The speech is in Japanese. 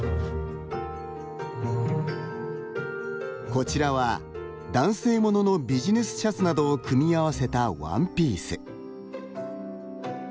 こちらは男性物のビジネスシャツなどを組み合わせたワンピース。